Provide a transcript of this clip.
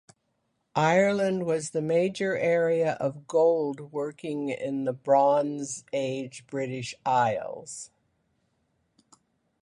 Ireland was the major area of gold working in the Bronze Age British Isles.